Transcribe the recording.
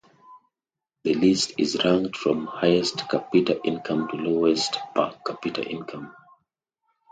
The list is ranked from highest capita income to lowest per capita income.